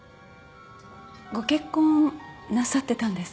ご結婚なさってたんですか。